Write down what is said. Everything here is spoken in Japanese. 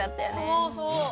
そうそう。